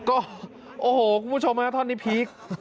โอ้โหคุณผู้ชมฮะท่อนนี้พีค